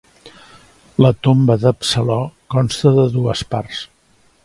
La tomba d'Absalò consta de dues parts.